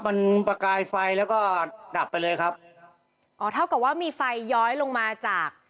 มันประกายไฟแล้วก็ดับไปเลยครับอ๋อเท่ากับว่ามีไฟย้อยลงมาจาก